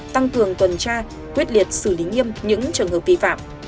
tăng cường tuần tra quyết liệt xử lý nghiêm những trường hợp vi phạm